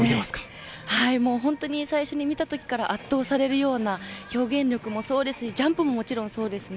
本当に最初に見たときから圧倒されるような表現力もそうですしジャンプももちろんそうですね。